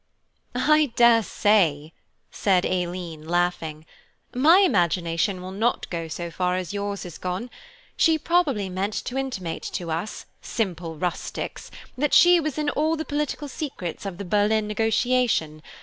"I daresay," said Aileen, laughing, "my imagination will not go so far as yours has gone–she probably meant to intimate to us, simple rustics, that she was in all the political secrets of the Berlin negotiation.